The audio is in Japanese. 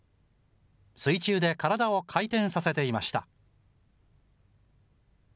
水中で体を回転させていました。